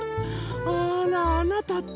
あらあなたったら。